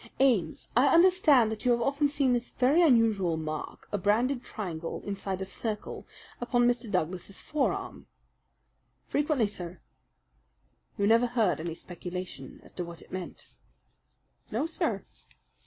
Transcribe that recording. Ames, I understand that you have often seen this very unusual mark a branded triangle inside a circle upon Mr. Douglas's forearm?" "Frequently, sir." "You never heard any speculation as to what it meant?" "No, sir."